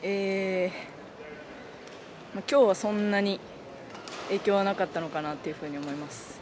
今日はそんなに影響はなかったのかなと思います。